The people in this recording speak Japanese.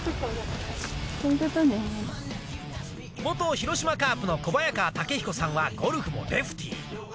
元広島カープの小早川毅彦さんはゴルフもレフティー。